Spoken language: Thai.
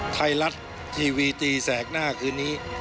ไทยรัฐทีวีตีแสกหน้าคืนนี้